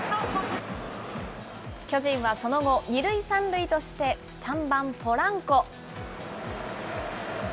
巨人はその後、２塁３塁として、３番ポランコ。